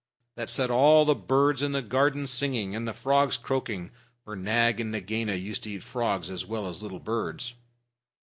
That set all the birds in the garden singing, and the frogs croaking, for Nag and Nagaina used to eat frogs as well as little birds.